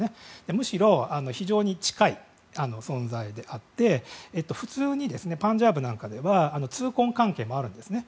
むしろ、非常に近い存在であって普通にパンジャブなんかでは通婚関係もあるんですね。